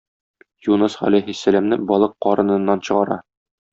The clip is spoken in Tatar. Юныс галәйһиссәламне балык карыныннан чыгара.